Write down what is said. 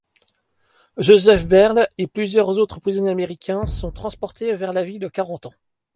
Joseph Beyrle et plusieurs autres prisonniers américains sont transportés vers la ville de Carentan.